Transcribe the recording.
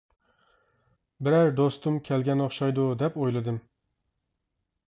بىرەر دوستۇم كەلگەن ئوخشايدۇ، دەپ ئويلىدىم.